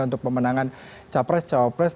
untuk pemenangan capres cawapres